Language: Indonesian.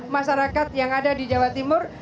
masyarakat yang ada di jawa timur